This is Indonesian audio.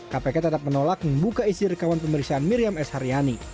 kpk tetap menolak membuka istirahat pemeriksaan miriam s haryani